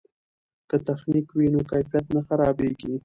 که تخنیک وي نو کیفیت نه خرابیږي.